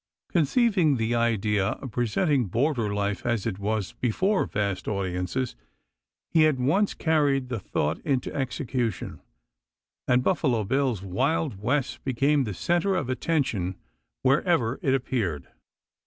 Conceiving the idea of presenting border life as it was before vast audiences, he at once carried the thought into execution, and Buffalo Bill's Wild West became the center of attraction wherever it appeared.